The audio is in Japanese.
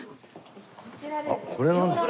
こちらでですね